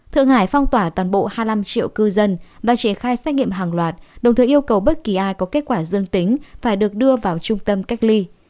thượng hải phong tỏa toàn bộ hai mươi năm triệu cư dân và triển khai xét nghiệm hàng loạt đồng thời yêu cầu bất kỳ ai có kết quả dương tính phải được đưa vào trung tâm cách ly